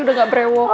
udah gak berewok